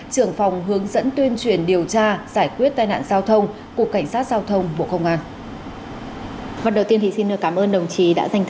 trưởng phòng hướng dẫn tuyên truyền điều tra giải quyết tai nạn giao thông cục cảnh sát giao thông bộ công an